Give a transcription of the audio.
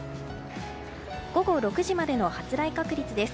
午後６時までの発雷確率です。